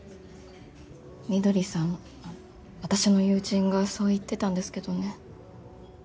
翠さんあ私の友人がそう言ってたんですけどね。